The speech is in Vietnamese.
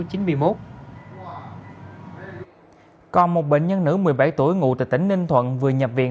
còn một bệnh nhân nữ một mươi bảy tuổi ngụ tại tỉnh ninh thuận vừa nhập viện